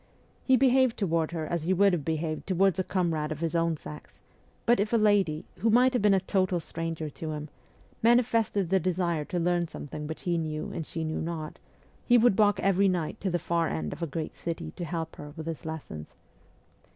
He behaved towards her as he would have behaved towards a comrade of his own sex ; but if a lady who might have been a total stranger to him manifested the desire to learn something which he knew and she knew not, he would walk every night to the far end of a great city to help her with his lessons.